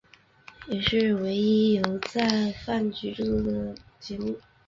也是唯一由在阪局制作的节目。